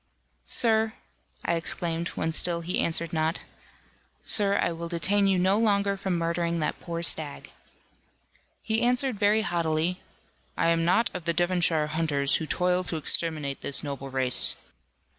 "Sir," I exclaimed, when still he answered not, "Sir, I will detain you no longer from murdering that poor stag." He answered very haughtily, "I am not of the Devonshire hunters, who toil to exterminate this noble race."